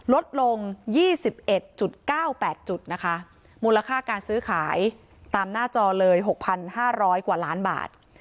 ลดลง๒๑๙๘จุดนะคะมูลค่าการซื้อขายตามหน้าจอเลย๖๕๐๐กว่าล้านบาท